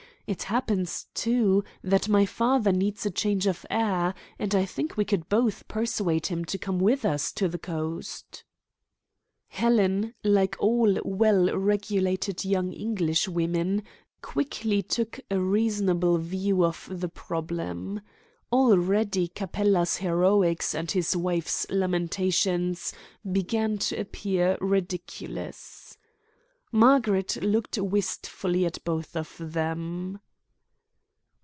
It happens, too, that my father needs a change of air, and I think we could both persuade him to come with us to the coast." Helen, like all well regulated young Englishwomen, quickly took a reasonable view of the problem. Already Capella's heroics and his wife's lamentations began to appear ridiculous. Margaret looked wistfully at both of them.